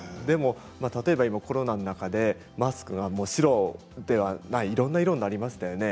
例えば、今コロナの中でマスクは白ではないいろんな色になりましたね。